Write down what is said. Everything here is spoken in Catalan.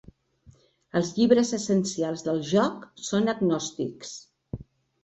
Els llibres essencials del joc són agnòstics.